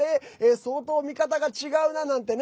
相当、見方が違うななんてね